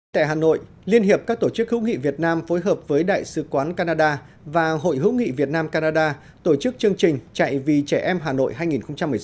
tại hà nội liên hiệp các tổ chức hữu nghị việt nam phối hợp với đại sứ quán canada và hội hữu nghị việt nam canada tổ chức chương trình chạy vì trẻ em hà nội hai nghìn một mươi sáu